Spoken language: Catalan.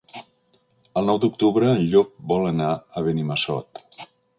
El nou d'octubre en Llop vol anar a Benimassot.